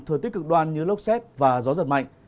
thời tiết cực đoan như lốc xét và gió giật mạnh